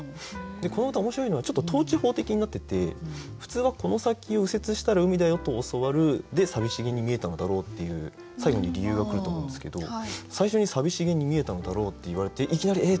この歌面白いのはちょっと倒置法的になってて普通は「この先を右折したら海だよ、と教わる」で「寂しげに見えたのだろう」っていう最後に理由が来ると思うんですけど最初に「寂しげに見えたのだろう」って言われていきなりえっ？